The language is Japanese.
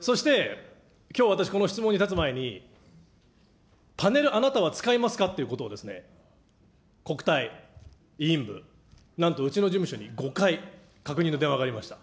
そしてきょう、私、この質問に立つ前に、パネル、あなたは使いますかということを国対、委員部、なんとうちの事務所に５回確認の電話がありました。